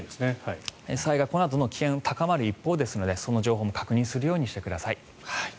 災害、このあとも危険が高まる一方なのでその情報も確認するようにしてください。